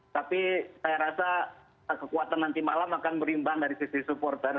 tapi saya rasa kekuatan nanti malam akan berimbang dari sisi supporter